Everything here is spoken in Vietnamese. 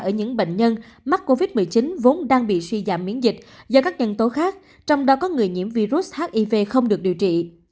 ở những bệnh nhân mắc covid một mươi chín vốn đang bị suy giảm miễn dịch do các nhân tố khác trong đó có người nhiễm virus hiv không được điều trị